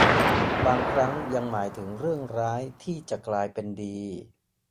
บางครั้งยังหมายถึงเรื่องร้ายที่จะกลายเป็นดี